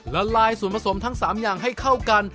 ละลายส่วนผสมทั้ง๓อย่างให้เข้ากัน